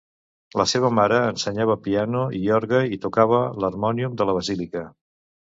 La seva mare ensenyava piano i orgue i tocava l'harmònium de la basílica.